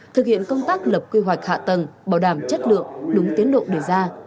thực hiện công tác lập quy hoạch hạ tầng bảo đảm chất lượng đúng tiến độ đề ra